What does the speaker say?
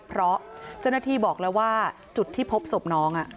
เพราะเจ้าหน้าที่บอกแล้วว่าจุดที่พบศพน้อง